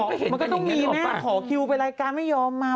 มันก็ต้องมีแม่ขอคิวไปรายการไม่ยอมมา